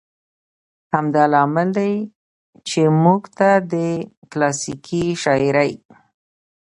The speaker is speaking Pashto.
همدا لامل دى، چې موږ ته د کلاسيکې شاعرۍ